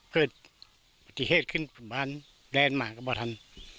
เกิดปฏิเหตุขึ้นบ้านแดนหมาก็บ่ทัน